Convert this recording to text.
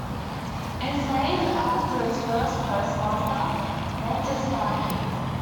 It is named after its first postmaster, Walter Starkey.